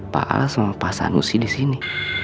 pak kalas sama pak sanusi di sini